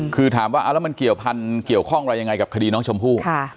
คือถามว่ามันเกี่ยวพันเดียวมันกินเรื่องไหนกับคดีน้องชมพู่